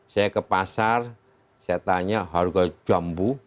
saya ke pasar saya tanya harga jambu